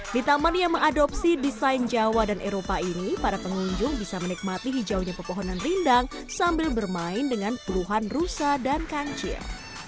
di taman yang mengadopsi desain jawa dan eropa ini para pengunjung bisa menikmati hijaunya pepohonan rindang sambil bermain dengan puluhan rusa dan kancil